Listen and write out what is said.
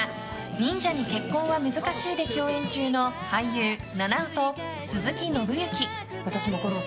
「忍者に結婚は難しい」で共演中の俳優・菜々緒と鈴木伸之。